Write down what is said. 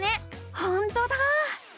ほんとだ。